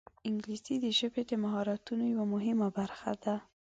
انګلیسي د ژبې د مهارتونو یوه مهمه برخه ده